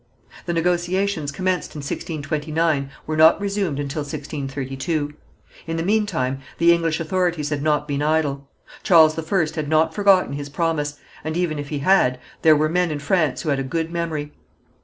The negotiations commenced in 1629 were not resumed until 1632. In the meantime the English authorities had not been idle. Charles I had not forgotten his promise, and even if he had, there were men in France who had a good memory.